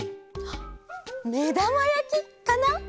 はっ「めだまやき」かな！